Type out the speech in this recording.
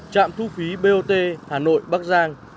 trạm thu phí bot hà nội bắc giang